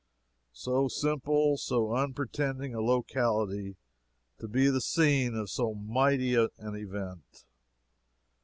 So simple, so unpretending a locality, to be the scene of so mighty an event!